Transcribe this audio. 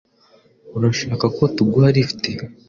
Urashaka ko tuguha lift?